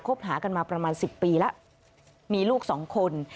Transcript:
หากันมาประมาณ๑๐ปีแล้วมีลูกสองคน